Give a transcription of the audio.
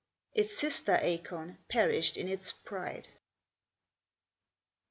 Its sister acorn perished in its pride.